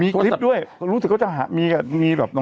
มีคลิปด้วยรู้สึกเขาจะหา